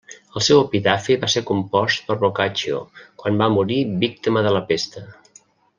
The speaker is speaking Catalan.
El seu epitafi va ser compost per Boccaccio, quan va morir víctima de la pesta.